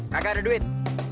kakak ada duit